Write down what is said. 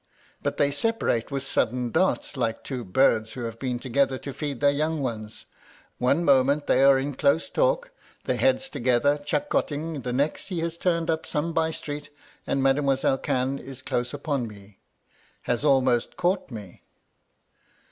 But they separate with sudden darts, like two birds who have been together to feed their young ones. One moment they are in close talk, their heads together chuckotting the next he has turned up some bye street, and Made ^ moiselle Cannes is close upon me — has almost caught me.'